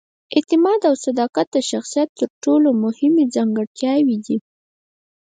اعتماد او صداقت د شخصیت تر ټولو مهمې ځانګړتیاوې دي.